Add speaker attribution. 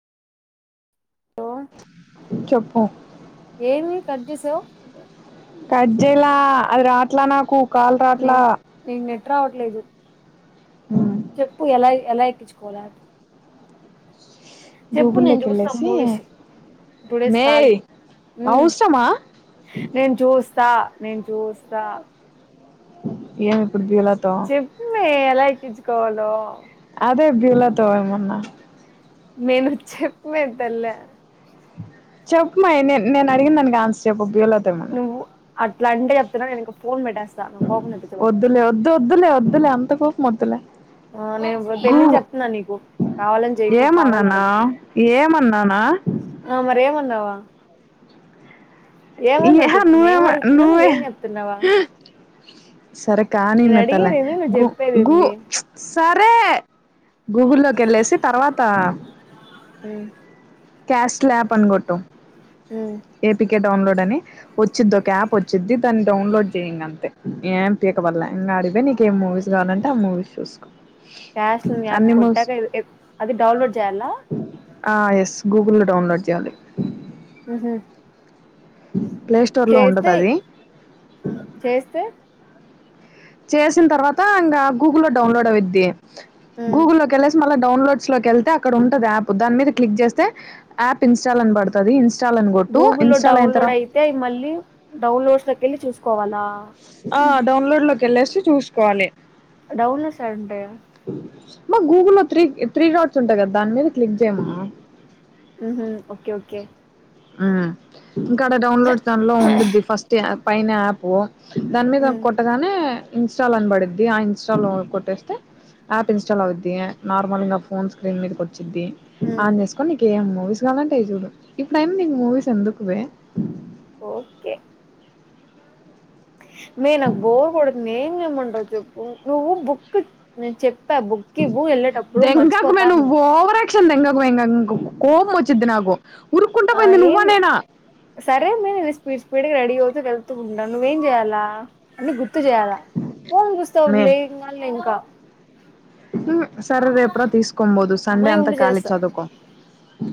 Speaker 1: hello
Speaker 2: చెప్పు
Speaker 1: ఏమి cut చేశావు
Speaker 2: కట్ చేయలే అది రావట్లే నాకు కాల్ రావట్లే
Speaker 1: నేను నీకు నెట్ రావట్లేదు
Speaker 2: అ
Speaker 1: చెప్పు ఎలా ఎలా ఎక్కించుకోవాల చెప్పు నేను
Speaker 2: గూగుల్లోకి
Speaker 1: చూస్తా
Speaker 2: వెళ్ళేసి
Speaker 1: మూవీస్ నేను టూ డేస్
Speaker 2: మే
Speaker 1: కాలి
Speaker 2: అవసరమా
Speaker 1: నేను చూస్త నేను చూస్తా
Speaker 2: ఏం
Speaker 1: చెప్పుమే ఎలా ఎక్కించుకోవాలో
Speaker 2: అదే బీళ్ళతో ఏ మన్నా
Speaker 1: మే నువ్వు చెప్పు మే తల్లే
Speaker 2: చెప్పమాయి నే నేను అడిగిినదానికి ఆన్సర్ చెప్పు బ్యూలాతో ఏమన్నా
Speaker 1: నువ్వు అట్లా అంటే చెప్తున్నా నేను ఇంక ఫోన్ పెట్టేస్త స్త
Speaker 2: వదిలే వధూలే వద్దలే అంత కోపం వదులే
Speaker 1: ఆ నేను పెళ్ళంచి చెప్తున్నా నీకు కావాలని చెయకు కావాలని
Speaker 2: ఏమన్నానా
Speaker 1: అడగకు
Speaker 2: ఏమన్నానా
Speaker 1: ఆ మరేమందావా
Speaker 2: ఏహా
Speaker 1: చెప్పు
Speaker 2: ను్వ
Speaker 1: నేనేం
Speaker 2: మా
Speaker 1: అడుగుతున్నా
Speaker 2: ను్వే
Speaker 1: నువ్వేం చెప్తున్నావా
Speaker 2: సరే కానీ
Speaker 1: నేను
Speaker 2: మే తల
Speaker 1: అడిగేదేంది నువ్వు
Speaker 2: గు గు
Speaker 1: చెప్పేదేంది
Speaker 2: సరే గూగుల్లోకి వెళ్ళేసి తర్వాత
Speaker 1: అ
Speaker 2: క్యాష్ స్లాప్ అన్కుట్టు
Speaker 1: మ్మ్
Speaker 2: ఏపి ౌన్లోడ్ ని వచ్చిది ఒక యాప్ వచ్చిద్ది దాన్ని డౌన్లోడ్ చేయ్యంగ అంతే ఏం పీక బల్ల ఇంకా అడితేే నీకేం మూవీస్ కావాలంటే ఆ మూవీస్ చూసుకో
Speaker 1: క్యాష్ యాప్
Speaker 2: అన్ని మూవీస్
Speaker 1: కొట్టక అది డౌన్లోడ్ చేయాల
Speaker 2: ఎస్ గూగుల్లో డౌన్లోడ్ చేయాలి
Speaker 1: ఆహా
Speaker 2: ప్లే స్టోర్ లో ఉండదు
Speaker 1: చేస్తే
Speaker 2: అది
Speaker 1: చేస్తే
Speaker 2: చేసిన తర్వాత ఇంకా గూగుల్లో డౌన్లోడ్ అవద్ది
Speaker 1: మ్మ్
Speaker 2: గుూగులు లోకి వెళ్లేసి మల్లా డౌన్లోడ్స్ లోకి వెళ్తే అక్కడ ఉంటది యాప్ దాని మీద క్లిక్ చేస్తే యాప్ ఇన్స్టాల్ అని పడుతుంది
Speaker 1: గూగుల్లో లో డౌన్లోడ్ అయితే మళ్ళ డౌన్లోడ్స్ తకళ్ి చూ కోవల
Speaker 2: ఆ డౌన్లోడ్ లోకి వెళ్ళేసి చూసుకోవాలి
Speaker 1: డౌన్లో సార్ంటే
Speaker 2: మా గూగుల్లో త్రీ త్రీ డాట్స్ ఉంటాయి కదా దాని మీద క్లిక్ చేయమ్మా
Speaker 1: ఓకే ఓకే
Speaker 2: ఆ ఇంకా అడ డౌన్లోడ్ దన్ లో ఉండది ఫస్ట్ యాప్ పైన ఆపు దాని మీద
Speaker 1: మ్మ్
Speaker 2: కొట్టగానే ఇన్స్టాల్ అన పడిద్ది ఆ ఇన్స్టాల్ కొట్టేస్తే యాప్ ఇన్స్టాల్ అవుద్ది నార్మల్ ఇకా ఫోన్ స్క్రీన్ మీద కొట్ ది
Speaker 1: మ్మ్
Speaker 2: ఆన్ చేసుకొని నీకే ఏం ఆఫీస్ కాగాాలంటాయి చూడు టైమ్నింగ్ మూవిీస్ ఎందుకువే
Speaker 1: ఓకే మే నాకు బోర్ కొడుతుంది ఏేంట నువ్ బుక్ చెక్ బుక్కి వెళ్ళేటప్పుడు మర్చిపోతాన్న
Speaker 2: వంది ఇంగాయం కోపం వచ్చిద్ది నాకు ఉరుక్కుంటా
Speaker 1: ఆ
Speaker 2: పోయింది నువ్వా
Speaker 1: ఏన్
Speaker 2: నేనా
Speaker 1: సరే మేన్ ఇది స్పపీడ్ స్పపీడ్ రెడితు వెళ్తూ ఉంటావు నువ్వేం చేయాలా అని గు గు చేయాలా పోన్ పుస్తకం
Speaker 2: మే
Speaker 1: లే కా ఇంకా
Speaker 2: హ్మ్ సరే రేపురా తీస్కొన్ పోదు సండే
Speaker 1: మే
Speaker 2: అంతా
Speaker 1: ఉండు
Speaker 2: ఖలీ
Speaker 1: చేస్తా
Speaker 2: చదువుకో